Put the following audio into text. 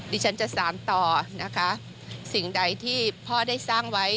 ดิฉันจะสารต่อนะคะสิ่งใดที่พ่อได้สร้างไว้